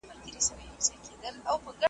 ملتونه د یووالي له لارې پیاوړي کېږي.